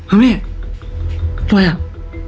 อันนี้ลูกพลอย่าง